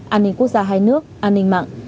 an ninh quốc gia hai nước an ninh mạng